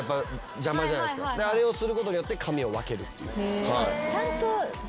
あれをすることによって髪を分けるっていう。